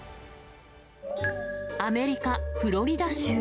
アメリカ・フロリダ州。